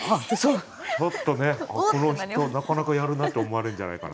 ちょっとねこの人なかなかやるなって思われるんじゃないかな。